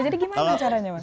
jadi gimana caranya mas